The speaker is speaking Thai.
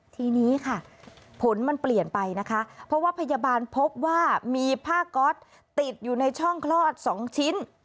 ทีนี้ค่ะผลมันเปลี่ยนไปนะคะเพราะว่าพยาบาลพบว่ามีผ้าก๊อตติดอยู่ในช่องคลอด๒ชิ้น